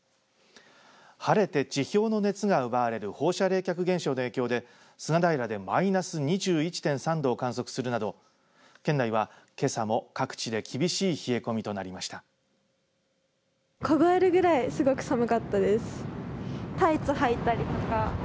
晴れて地表の熱が奪われる放射冷却現象の影響で菅平でマイナス２１．３度を観測するなど県内は、けさも各地で厳しい冷え込みとなりました。